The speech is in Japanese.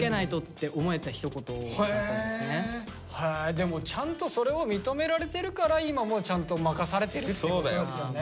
でもちゃんとそれを認められてるから今もちゃんと任されてるってことですよね。